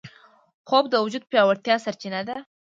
خوب د وجود د پیاوړتیا سرچینه ده